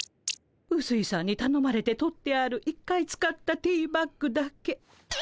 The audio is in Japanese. うすいさんにたのまれて取ってある１回使ったティーバッグだけ。